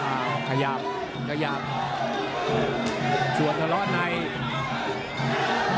อ้าวขยับขยับจัดล้อนไอน์